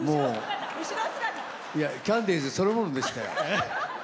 キャンディーズそのものでしたよ。